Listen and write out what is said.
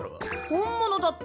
本物だって。